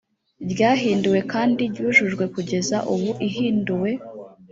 ryahinduwe kandi ryujujwe kugeza ubu ihinduwe